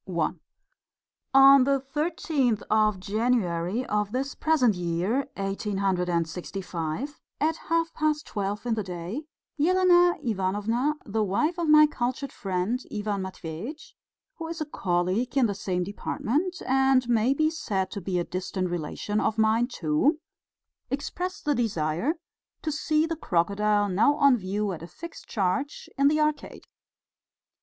I On the thirteenth of January of this present year, 1865, at half past twelve in the day, Elena Ivanovna, the wife of my cultured friend Ivan Matveitch, who is a colleague in the same department, and may be said to be a distant relation of mine, too, expressed the desire to see the crocodile now on view at a fixed charge in the Arcade.